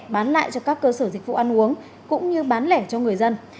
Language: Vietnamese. bán lại cho các cơ sở dịch vụ ăn uống cũng như bán lẻ cho người dân